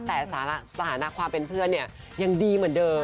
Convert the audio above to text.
แต่สถานะความเป็นเพื่อนเนี่ยยังดีเหมือนเดิม